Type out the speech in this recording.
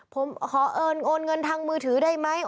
ผมขอเอิญโอนเงินทางมือถือได้ไหม